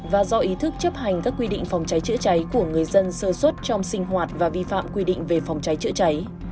và do ý thức chấp hành các quy định phòng cháy chữa cháy của người dân sơ xuất trong sinh hoạt và vi phạm quy định về phòng cháy chữa cháy